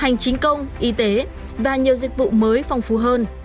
hành chính công y tế và nhiều dịch vụ mới phong phú hơn